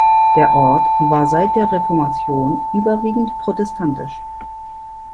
Der Ort war seit der Reformation überwiegend protestantisch.